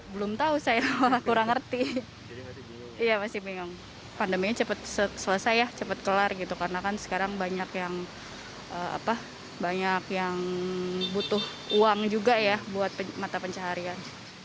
butuh uang juga ya buat mata pencaharian